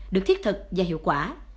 được thiết thực và hiệu quả